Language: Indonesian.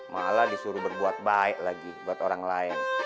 malah disuruh berbuat baik lagi buat orang lain